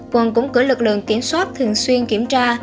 quận cũng cử lực lượng kiểm soát thường xuyên kiểm tra